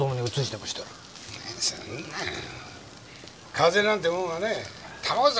風邪なんてもんはね卵酒